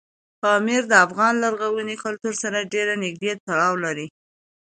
پامیر د افغان لرغوني کلتور سره ډېر نږدې تړاو لري.